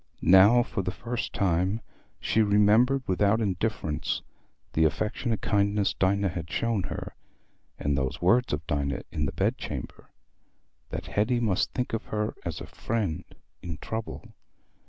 Now, for the first time, she remembered without indifference the affectionate kindness Dinah had shown her, and those words of Dinah in the bed chamber—that Hetty must think of her as a friend in trouble.